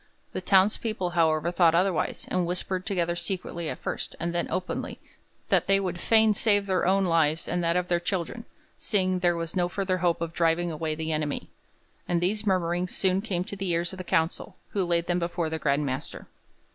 The townspeople, however, thought otherwise, and whispered together secretly at first, and then openly, that they would fain save their own lives and that of their children, seeing there was no further hope of driving away the enemy. And these murmurings soon came to the ears of the council, who laid them before the Grand Master.